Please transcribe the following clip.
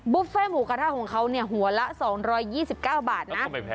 เฟ่หมูกระทะของเขาหัวละ๒๒๙บาทนะ